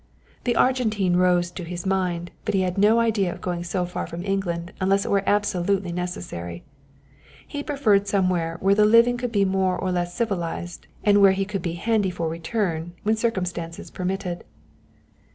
The Argentine rose to his mind, but he had no idea of going so far from England unless it were absolutely necessary. He preferred somewhere where the living would be more or less civilized and where he could be handy for return when circumstances permitted.